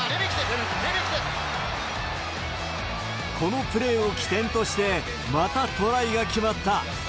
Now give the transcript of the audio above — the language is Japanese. このプレーを起点として、またトライが決まった。